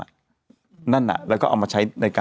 มีสารตั้งต้นเนี่ยคือยาเคเนี่ยใช่ไหมคะ